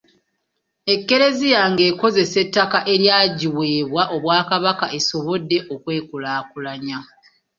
Eklezia nga ekozesa ettaka eryagiweebwa Obwakabaka esobodde okwekulaakulanya.